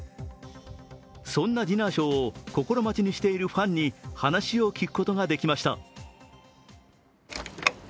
そんなディナーショーを心待ちにしているファンに話を聞くことができました。